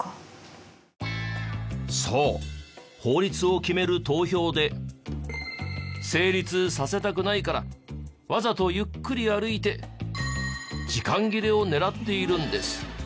そう法律を決める投票で成立させたくないからわざとゆっくり歩いて時間切れを狙っているんです。